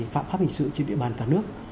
pháp hình sự trên địa bàn cả nước